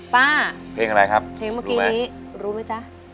ป้าเพลงอะไรครับรู้ไหมรู้ไหมจ๊ะ